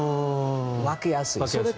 分けやすい。